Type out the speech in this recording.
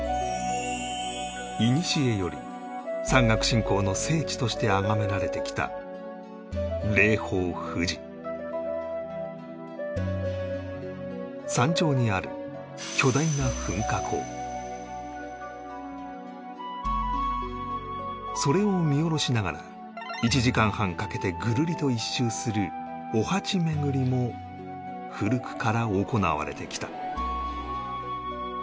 いにしえより山岳信仰の聖地としてあがめられてきた山頂にある巨大なそれを見下ろしながら１時間半かけてグルリと１周するお鉢巡りも古くから行われてきた